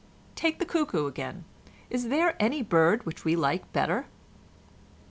Take the cuckoo again—is there any bird which we like better?"